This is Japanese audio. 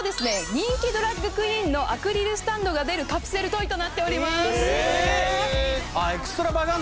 人気ドラァグクイーンのアクリルスタンドが出るカプセルトイとなっておりますえっ？